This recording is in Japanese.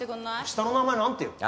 下の名前なんていうの？